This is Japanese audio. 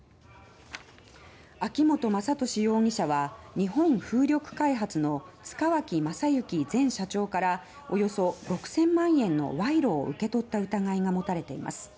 秋本真利容疑者は日本風力開発の塚脇正幸前社長からおよそ６０００万円の賄賂を受け取った疑いが持たれています。